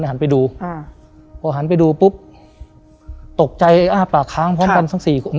หันไปดูอ่าพอหันไปดูปุ๊บตกใจอ้าปากค้างพร้อมกันทั้งสี่กลุ่ม